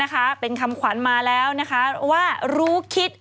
ก็หัวหน้ามาแล้วว่ารู้คิด